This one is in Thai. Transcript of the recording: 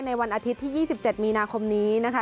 วันอาทิตย์ที่๒๗มีนาคมนี้นะคะ